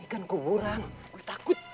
ini kan kuburan gua takut